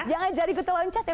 jangan jadi kutu loncat ya